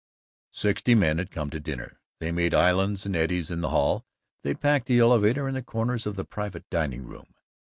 Sixty men had come to the dinner. They made islands and eddies in the hall; they packed the elevator and the corners of the private dining room.